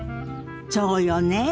そうよね。